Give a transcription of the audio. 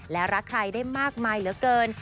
และรักใครได้มากมายเหลือเกิน